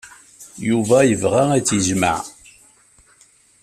Yuba yebɣa ad tt-yejmeɛ.